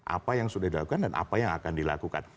apa yang sudah dilakukan dan apa yang akan dilakukan